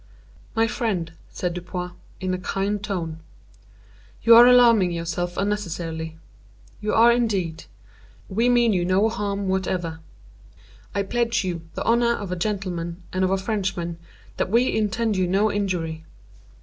"My friend," said Dupin, in a kind tone, "you are alarming yourself unnecessarily—you are indeed. We mean you no harm whatever. I pledge you the honor of a gentleman, and of a Frenchman, that we intend you no injury.